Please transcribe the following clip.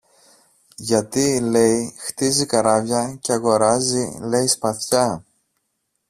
γιατί, λέει, χτίζει καράβια και αγοράζει, λέει, σπαθιά